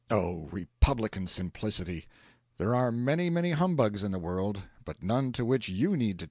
Oh, Republican Simplicity, there are many, many humbugs in the world, but none to which you need take off your hat!